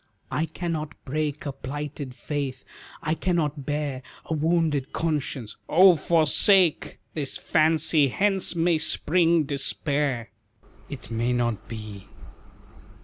"I cannot break A plighted faith, I cannot bear A wounded conscience." "Oh, forsake This fancy, hence may spring despair." "It may not be."